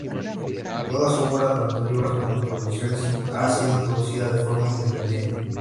Toda su obra, tanto libros como producciones, ha sido producida de forma independiente.